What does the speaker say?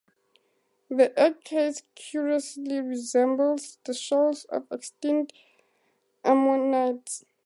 The eggcase curiously resembles the shells of extinct ammonites.